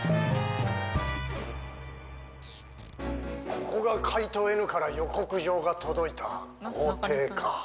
ここが怪盗Ｎから予告状が届いた豪邸か。